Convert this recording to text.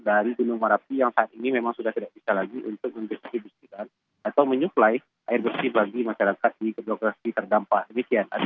dan juga sumber air bersih yang sudah sudah tidak bisa lagi untuk mendistribusikan atau menyuplai air bersih bagi masyarakat di geografi terdampak